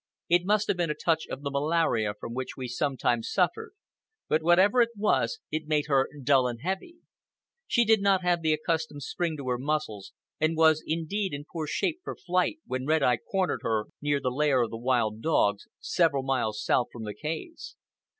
It must have been a touch of the malaria from which we sometimes suffered; but whatever it was, it made her dull and heavy. She did not have the accustomed spring to her muscles, and was indeed in poor shape for flight when Red Eye cornered her near the lair of the wild dogs, several miles south from the caves.